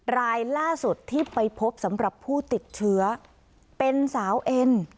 รายล่าสุดที่ไปพบสำหรับผู้ติดเชื้อเป็นสาวเอ็น